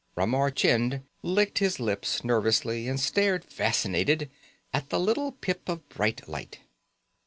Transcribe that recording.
Ramar Chind licked his lips nervously and stared fascinated at the little pip of bright light.